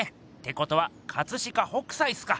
ことは飾北斎すか！